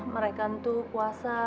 mereka tuh puasa